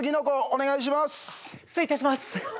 失礼いたします。